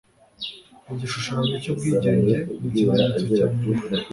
Igishushanyo cyubwigenge nikimenyetso cya Amerika.